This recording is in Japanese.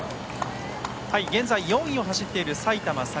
現在４位を走っている埼玉栄。